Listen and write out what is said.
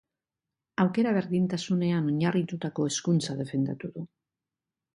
Aukera berdintasunean oinarritutako hezkuntza defendatu du.